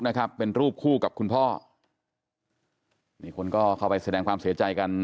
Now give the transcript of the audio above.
นะครับเป็นรูปคู่กับคุณพ่อนี่คนก็เข้าไปแสดงความเสียใจกัน